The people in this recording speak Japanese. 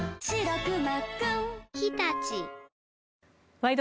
「ワイド！